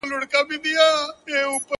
نور به نه کرئ غنم په کروندو کي -